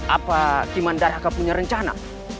apa timandaraka punya rencana